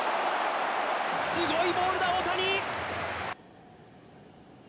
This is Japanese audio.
すごいボールだ大谷！